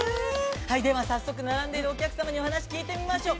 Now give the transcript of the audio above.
◆はい、では早速、並んでるお客様にお話を伺ってまいりましょう。